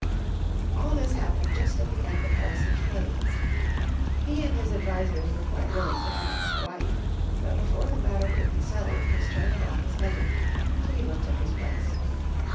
All this happened just at the end of Harrison's Presidency. He and his advisers were quite willing to annex Hawaii. But before the matter could be settled his term of office ended, and Cleveland took his place.